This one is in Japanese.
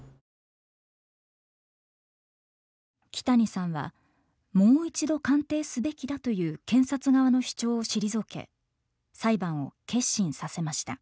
木谷さんはもう一度鑑定すべきだという検察側の主張を退け裁判を結審させました。